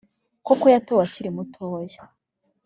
Koko yatowe akiri mutoya